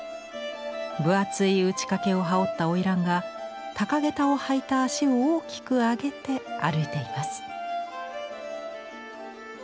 分厚い打掛を羽織ったおいらんが高げたを履いた足を大きく上げて歩いています。